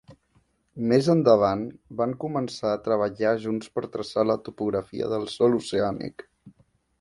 Més endavant, van començar a treballar junts per traçar la topografia del sòl oceànic.